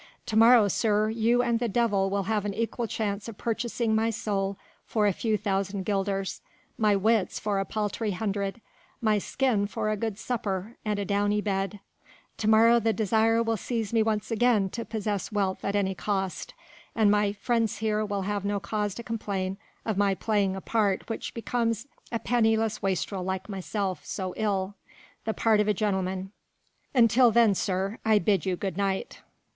To morrow, sir, you and the devil will have an equal chance of purchasing my soul for a few thousand guilders, my wits for a paltry hundred, my skin for a good supper and a downy bed to morrow the desire will seize me once again to possess wealth at any cost, and my friends here will have no cause to complain of my playing a part which becomes a penniless wastrel like myself so ill the part of a gentleman. Until then, sir, I bid you good night.